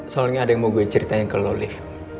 soalnya ada yang mau gue ceritain ke lo liv